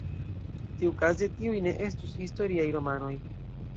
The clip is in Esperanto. Tiukaze tiuj ne estus historiaj romanoj.